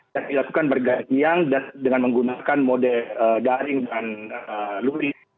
dan dilakukan bergantian dengan menggunakan mode daring dan luri